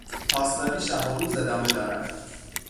پاسداری شب و روز ادامه دارد.